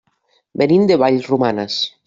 Venim de Vallromanes.